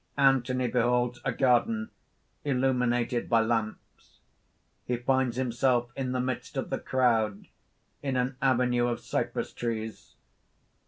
(Anthony beholds a garden, illuminated by lamps: _He finds himself in the midst of the crowd, in an avenue of cypress trees.